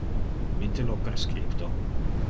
Mitte lo per scripto.